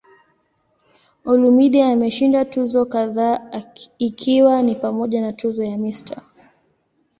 Olumide ameshinda tuzo kadhaa ikiwa ni pamoja na tuzo ya "Mr.